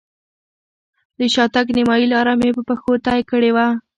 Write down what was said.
د شاتګ نیمایي لاره مې په پښو طی کړې وه.